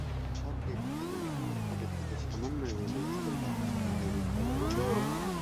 আসাদগেট থেকে মোহাম্মদপুরের দিকে সামান্য এগোলেই হাতের বাঁ পাশে পড়বে বিদ্যালয়টি।